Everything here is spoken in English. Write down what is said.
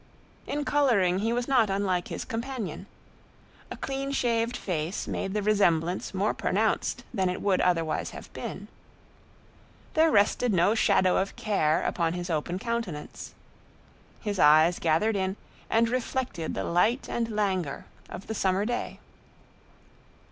In coloring he was not unlike his companion. A clean shaved face made the resemblance more pronounced than it would otherwise have been. There rested no shadow of care upon his open countenance. His eyes gathered in and reflected the light and languor of the summer day.